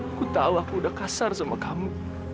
aku tahu aku udah kasar sama kamu